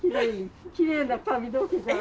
きれいな髪の毛じゃん。